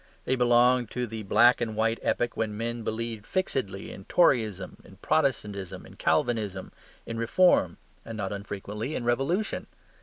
They belonged to the black and white epoch when men believed fixedly in Toryism, in Protestantism, in Calvinism, in Reform, and not unfrequently in Revolution.